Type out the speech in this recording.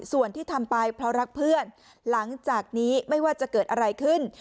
ส่วนที่ทำไปเพราะรักเพื่อนหลังจากนี้ไม่ว่าจะเกิดอะไรขึ้น